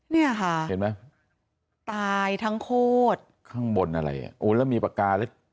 เนี่ยค่ะเห็นไหมตายทั้งโคตรข้างบนอะไรอ่ะโอ้แล้วมีปากกาหรือ